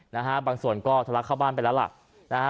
นะฮะบางส่วนก็ทะลักเข้าบ้านไปแล้วล่ะนะฮะ